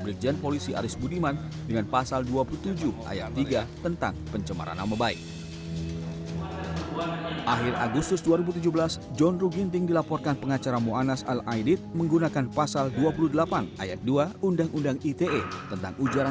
berita sempat ditahan selama dua bulan